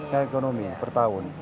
secara ekonomi per tahun